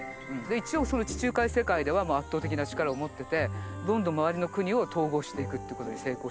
一応地中海世界では圧倒的な力を持っててどんどん周りの国を統合していくってことに成功してた。